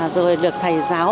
rồi được thầy giáo